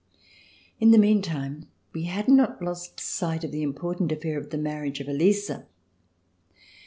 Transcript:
In the meantime, we had not lost sight of the im portant affair of the marriage of Elisa.